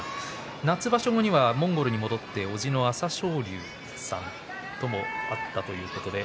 夏場所後にはモンゴルに戻っておじの朝青龍さんと会ったということです。